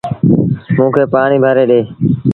موݩ کي پآڻيٚ ڀري ڏي۔